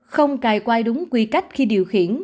không cài quay đúng quy cách khi điều khiển